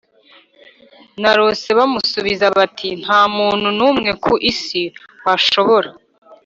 narose Baramusubiza bati nta muntu n umwe ku isi washobora